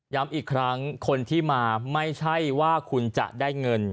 อีกครั้งคนที่มาไม่ใช่ว่าคุณจะได้เงิน